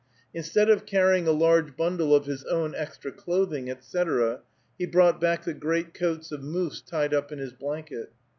Instead of carrying a large bundle of his own extra clothing, etc., he brought back the greatcoats of moose tied up in his blanket.